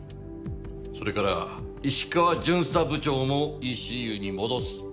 それから石川巡査部長もＥＣＵに戻す。